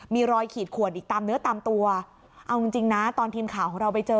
มีรอยขีดขวดอีกตามเนื้อตามตัวเอาจริงจริงนะตอนทีมข่าวของเราไปเจอ